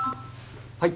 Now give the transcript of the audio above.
はい。